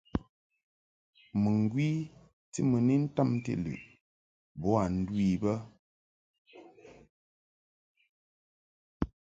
Muŋgwi ti mɨ ni ntamti lɨʼ boa ndu I bə.